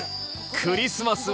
クリスマスは？